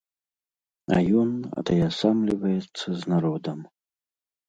А ён атаясамліваецца з народам.